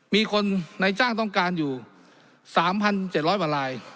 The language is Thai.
มีคนในจ้างต้องการอยู่สามพันเจ็ดร้อยบาลลาย